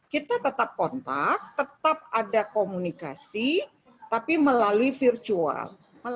kita tetap kontak tetap ada komunikasi tapi melalui virtual